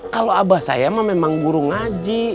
kalau abah saya mah memang guru ngaji